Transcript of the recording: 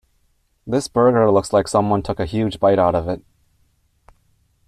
This burger looks like someone took a huge bite out of it.